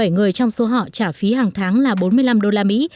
chín mươi bảy người trong số họ trả phí hàng tháng là bốn mươi năm đô la mỹ